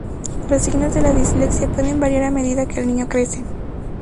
Los signos de la dislexia pueden variar a medida que el niño crece.